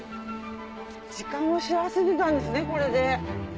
時間を知らせてたんですねこれで。